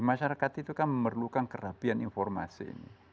masyarakat itu kan memerlukan kerapian informasi